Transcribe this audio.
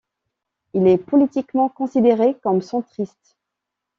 Il est politiquement considéré comme centriste.